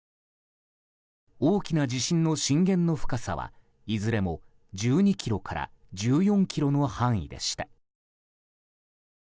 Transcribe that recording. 大きな地震の震源の深さはいずれも１２ｋｍから１４ｋｍの範囲でした。